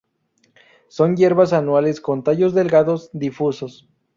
Son hierbas anuales con tallos delgados, difusos.